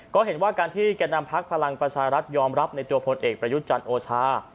ก็เห็นว่าการที่แก่นำพักพลังประชารัฐยอมรับในตัวพลเอกประยุทธ์จันทร์โอชา